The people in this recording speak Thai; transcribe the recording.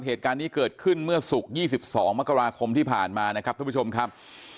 เหตุการณ์นี้เกิดขึ้นเมื่อศุกร์๒๒มกราคมที่ผ่านมานะครับทุกผู้ชมครับ